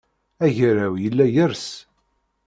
Agaraw yella yers.